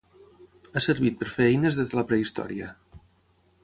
Ha servit per fer eines des de la prehistòria.